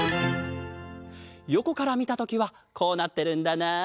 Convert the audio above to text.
よこからみたときはこうなってるんだなあ。